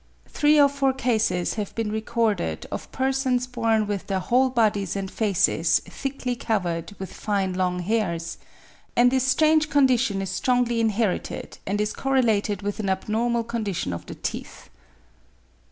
Three or four cases have been recorded of persons born with their whole bodies and faces thickly covered with fine long hairs; and this strange condition is strongly inherited, and is correlated with an abnormal condition of the teeth.